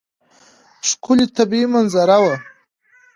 ښکلې طبیعي منظره وه.